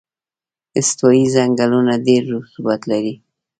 استوایي ځنګلونه ډېر رطوبت لري.